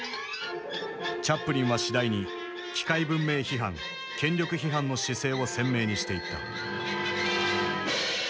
チャップリンは次第に機械文明批判権力批判の姿勢を鮮明にしていった。